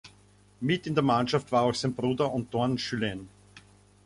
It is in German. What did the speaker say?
Mit in der Mannschaft war auch sein Bruder Antoine Julen.